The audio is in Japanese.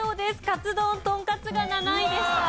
かつ丼とんかつが７位でした。